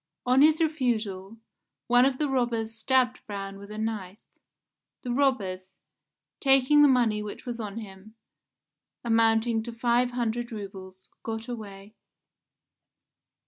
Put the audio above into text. On his refusal one of the robbers stabbed Braun with a knife. The robbers, taking the money which was on him, amounting to 500 roubles, got away.